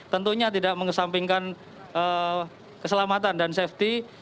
tentunya tidak mengesampingkan keselamatan dan safety